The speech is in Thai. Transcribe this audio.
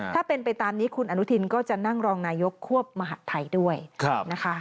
ถ้าเป็นไปตามนี้คุณอนุทินก็จะนั่งรองนายกควบมหัฐไทยด้วยนะคะ